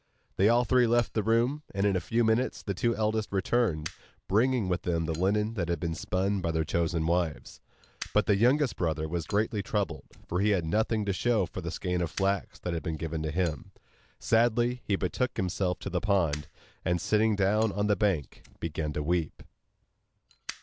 They all three left the room; and in a few minutes the two eldest returned, bringing with them the linen that had been spun by their chosen wives. But the youngest brother was greatly troubled, for he had nothing to show for the skein of flax that had been given to him. Sadly he betook himself to the pond, and sitting down on the bank, began to weep.